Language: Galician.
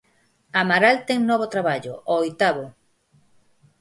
Amaral ten novo traballo, o oitavo.